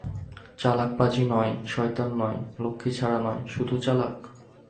চালাক পাজি নয়, শয়তান, নয়, লক্ষ্মীছাড়া নয়, শুধু চালাক?